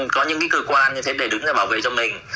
có những cái cơ quan như thế để đứng ra bảo vệ cho mình